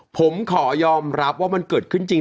ผมขอยอมรับว่ามันเกิดขึ้นจริง